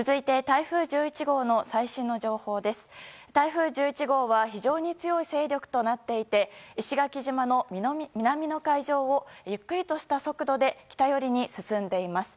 台風１１号は非常に強い勢力となっていて石垣島の南の海上をゆっくりとした速度で北寄りに進んでいます。